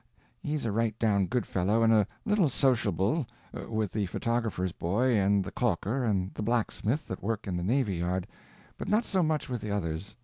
He's a right down good fellow, and a little sociable with the photographer's boy and the caulker and the blacksmith that work in the navy yard, but not so much with the others.